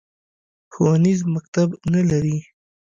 ښوونیز مکتب نه لري